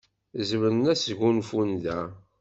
Zemren ad sgunfun da.